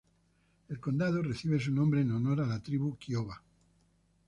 El condado recibe su nombre en honor a la tribu Kiowa.